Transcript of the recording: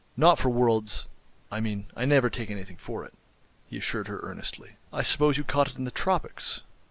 "Not for worlds—I mean, I never take anything for it," he assured her earnestly. "I suppose you caught it in the Tropics?"